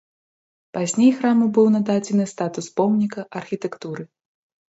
Пазней храму быў нададзены статус помніка архітэктуры.